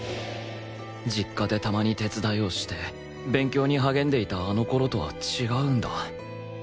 実家でたまに手伝いをして勉強に励んでいたあの頃とは違うんだ